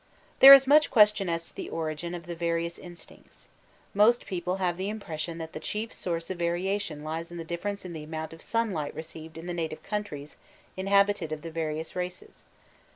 There is much question as to the origin of the various instincts. Most people have the impression that the chief source of variation lies in the diflference in the amount of sunlight received in the native countries inhabited of the various races.